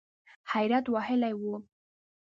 حیرت وهلی و .